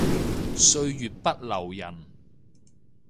歲月不留人